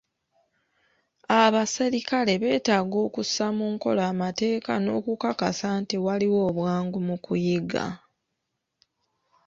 Abaserikale beetaaga okussa mu nkola amateeka n'okukakasa nti waliwo obwangu mu kuyiga.